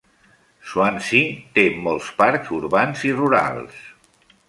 Swansea té molts parcs urbans i rurals.